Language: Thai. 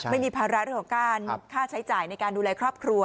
ไม่มีภาระเรื่องของการค่าใช้จ่ายในการดูแลครอบครัว